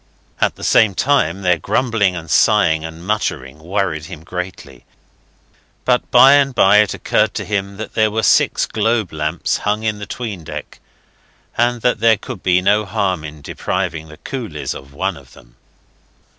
At the same time their grumbling and sighing and muttering worried him greatly, but by and by it occurred to him that there were six globe lamps hung in the 'tween deck, and that there could be no harm in depriving the coolies of one of them.